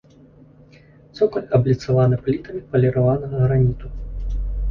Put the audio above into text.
Цокаль абліцаваны плітамі паліраванага граніту.